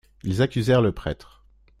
Ils accusèrent le prêtre.